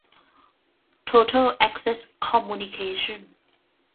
โทเทิ่ล แอ็คเซ็ส คอมมูนิเคชั่น